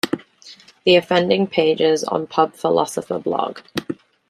The offending pages on Pub Philosopher blog.